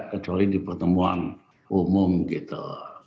kecuali di pertemuan umum gitu